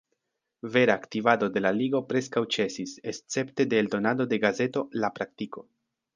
Vera aktivado de la Ligo preskaŭ ĉesis, escepte de eldonado de gazeto La Praktiko.